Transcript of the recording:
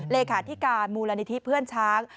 เลขาธิการมูลนิธิเพื่อนช้าง